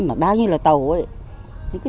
mà bao nhiêu là tàu ấy